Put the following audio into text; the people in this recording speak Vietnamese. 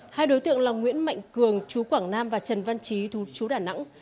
hai đối tượng là nguyễn mạnh cường chú quảng nam và trần văn trí chú đà nẵng